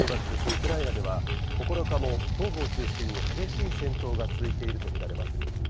ウクライナでは、９日も東部を中心に激しい戦闘が続いていると見られます。